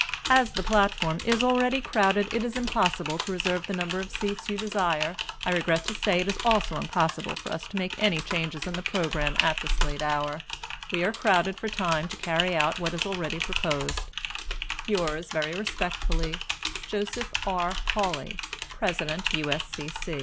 As the platform is already crowded, it is impossible to reserve the number of seats you desire. I regret to say it is also impossible for us to make any change in the programme at this late hour. We are crowded for time to carry out what is already proposed. "Yours Very Respectfully, "Joseph R. Hawley, "President, U.